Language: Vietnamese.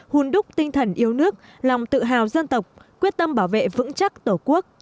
hùn đúc tinh thần yêu nước lòng tự hào dân tộc quyết tâm bảo vệ vững chắc tổ quốc